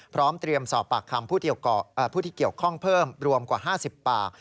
พร้อมเตรียมสอบปากคำผู้ที่เกี่ยวข้องเพิ่มรวมกว่า๕๐ปาก